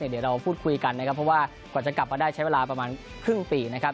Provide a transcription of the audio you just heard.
เดี๋ยวเราพูดคุยกันนะครับเพราะว่ากว่าจะกลับมาได้ใช้เวลาประมาณครึ่งปีนะครับ